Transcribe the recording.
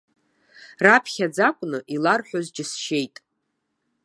Раԥхьаӡа акәны иларҳәоз џьысшьеит.